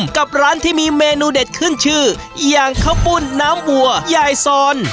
แล้วกับร้านที่มีเมนูเด็ดขึ้นชื่ออย่างข้าวปุ่นน้ำหัวรสจร